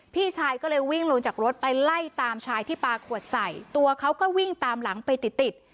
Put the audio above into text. พี่ชายก็เลยวิ่งลงจากรถไปไล่ตามชายที่ปลาขวดใส่ตัวเขาก็วิ่งตามหลังไปติดติด